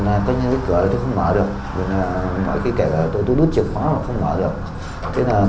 anh xác nhận đúng chưa